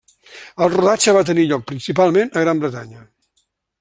El rodatge va tenir lloc principalment a Gran Bretanya.